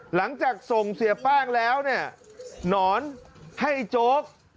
หลังจากส่งเสียแป้งแล้วเนี่ยหนอนให้ไอ้โจ๊ก